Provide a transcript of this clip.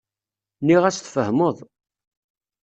Nniɣ-as tfehmeḍ.